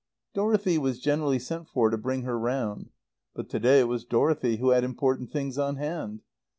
Dorothy was generally sent for to bring her round; but to day it was Dorothy who had important things on hand.